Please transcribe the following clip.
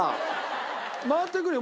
回ってくるよ。